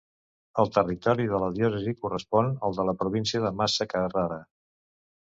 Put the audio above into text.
El territori de la diòcesi correspon al de la província de Massa-Carrara.